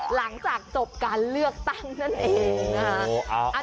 หลังจากจบการเลือกตั้งนั่นเองนะคะ